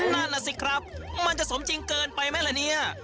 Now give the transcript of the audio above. นั่นแหละสิครับมันจะสมจริงเกินไปไหมล่ะเนี่ย